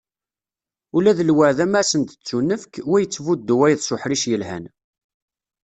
Ula d lwaεda mi asen-d-tettunefk, wa ittbuddu wayeḍ s uḥric yelhan.